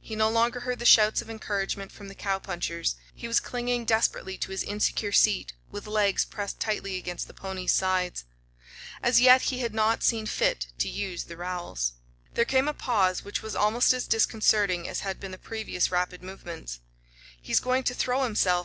He no longer heard the shouts of encouragement from the cowpunchers. He was clinging desperately to his insecure seat, with legs pressed tightly against the pony's sides. As yet he had not seen fit to use the rowels. There came a pause which was almost as disconcerting as had been the previous rapid movements. "He's going to throw himself!